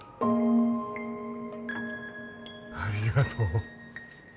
ありがとう